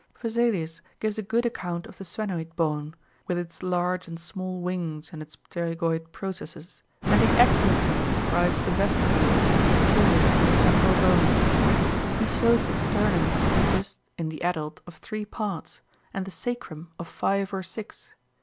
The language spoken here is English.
Vesalius gives a good account of the sphenoid bone, with its large and small wings and its pterygoid processes; and he accurately describes the vestibule in the interior of the temporal bone. He shows the sternum to consist, in the adult, of three parts and the sacrum of five or six.